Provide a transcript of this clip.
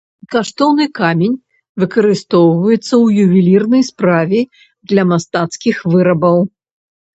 Каштоўны камень, выкарыстоўваецца ў ювелірнай справе, для мастацкіх вырабаў.